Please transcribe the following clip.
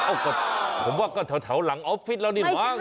โอ้ผมว่าก็แถวหลังออฟฟิตแล้วนี่ค่ะ